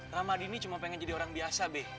ramadi ini cuma pengen jadi orang biasa deh